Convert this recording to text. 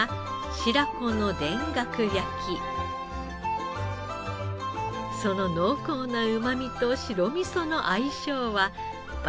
その濃厚なうまみと白味噌の相性は抜群です。